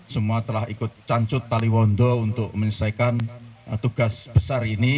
semua telah ikut cancut taliwondo untuk menyelesaikan tugas besar ini